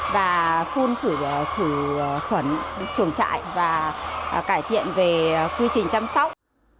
và phun khử khuẩn chuồng trại và cải thiện về quy trình chăm sóc